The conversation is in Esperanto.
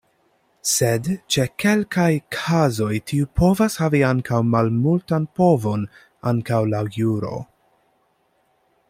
Sed ĉe kelkaj kazoj tiu povas havi ankaŭ malmultan povon ankaŭ laŭ juro.